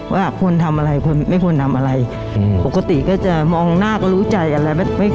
ว่าควรทำอะไรควรไม่ควรทำอะไรปกติก็จะมองหน้าก็รู้ใจอะไร